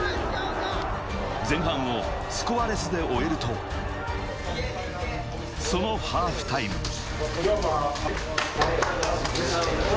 前半をスコアレスで終えると、そのハーフタイム。